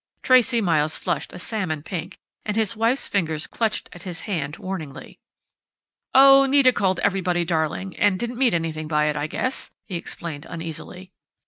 Tracey Miles flushed a salmon pink, and his wife's fingers clutched at his hand warningly. "Oh, Nita called everybody 'darling,' and didn't mean anything by it, I guess," he explained uneasily.